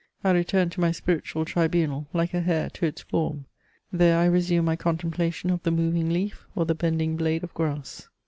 I return to my spiritual tribunal, like a hare to its form: there I resume my contemplation of the moving leaf or the bending blade of grass.